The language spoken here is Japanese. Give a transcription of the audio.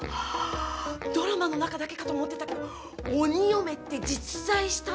ドラマの中だけかと思ってたけど鬼嫁って実在したのね。